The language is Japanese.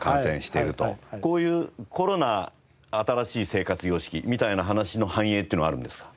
こういうコロナ新しい生活様式みたいな話の反映っていうのはあるんですか？